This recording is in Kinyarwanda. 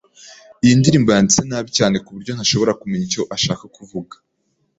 Iyi ndirimbo yanditse nabi cyane kuburyo ntashobora kumenya icyo ashaka kuvuga.